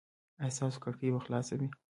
ایا ستاسو کړکۍ به خلاصه وي؟